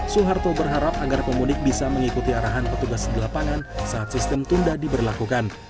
suharto berharap agar pemudik bisa mengikuti arahan petugas di lapangan saat sistem tunda diberlakukan